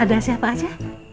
ada siapa aja